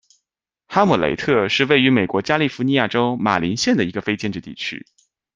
哈姆雷特是位于美国加利福尼亚州马林县的一个非建制地区。